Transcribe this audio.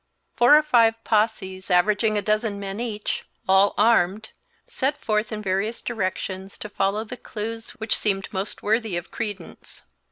Four or five posses, averaging a dozen men each, all armed, set forth in various directions to follow the clews which seemed most worthy of credence.